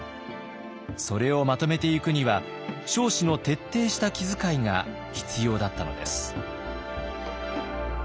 それをまとめていくには彰子の徹底した気遣いが必要だったのです。